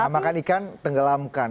makan ikan tenggelamkan